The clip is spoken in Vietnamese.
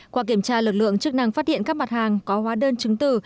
qua kiểm tra lực lượng chức năng phát hiện các mặt hàng có hóa đơn chứng từ